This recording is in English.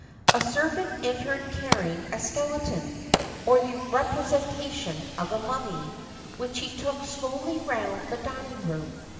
A servant entered carrying a skeleton, or the representation of a mummy, which he took slowly round the dining room.